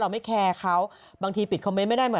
ไม่แคร์เขาบางทีปิดคอมเมนต์ไม่ได้มา